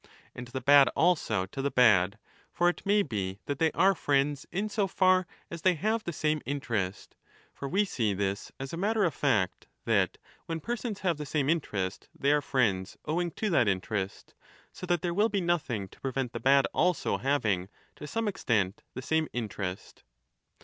And the bad also to the bad ; for it may be that they are friends in so far as they have the same interest. For we see this as a matter of fact, that, when persons have the same interest, they are friends owing to that interest, so that there will be nothing to prevent the 10 bad also having to some extent the same interest.